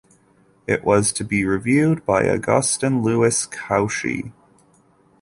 It was to be reviewed by Augustin-Louis Cauchy.